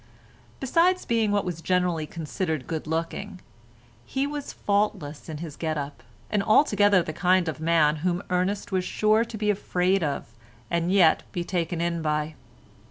Besides being what was generally considered good looking, he was faultless in his get up, and altogether the kind of man whom Ernest was sure to be afraid of and yet be taken in by.